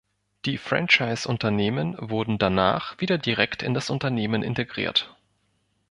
Die Franchiseunternehmen wurden danach wieder direkt in das Unternehmen integriert.